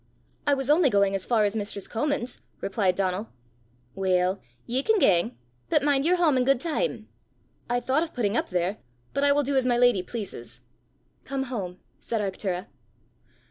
"I was only going as far as mistress Comin's," replied Donal. "Weel, ye can gang; but min' ye're hame i' guid time!" "I thought of putting up there, but I will do as my lady pleases." "Come home," said Arctura.